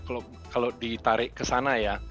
oh terlalu jauh kalau ditarik ke sana ya